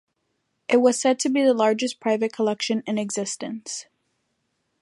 It was said to be the largest private collection in existence.